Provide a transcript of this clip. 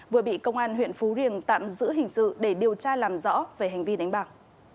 vừa bị công an huyện phú riềng tạm giữ hình sự để điều tra làm rõ về hành vi đánh bạc